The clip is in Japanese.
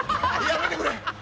やめてくれ！